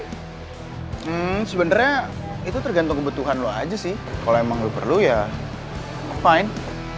hmm sebenarnya itu tergantung kebutuhan lo aja sih kalau emang lo perlu ya fine